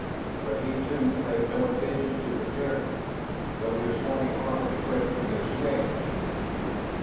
But he, too, paid no attention to the Terran, though his horny arms scraped across Shann's.